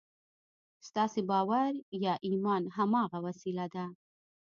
ستاسې باور یا ایمان هماغه وسیله ده